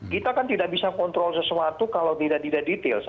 kita kan tidak bisa kontrol sesuatu kalau tidak didetail